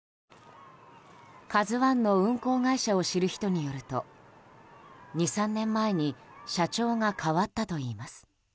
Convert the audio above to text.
「ＫＡＺＵ１」の運航会社を知る人によると２３年前に社長が変わったといいます。